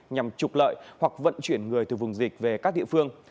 nhằm trục lợi hoặc vận chuyển người từ vùng dịch về các địa phương